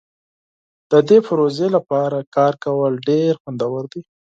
د دې پروژې لپاره کار کول ډیر خوندور دي.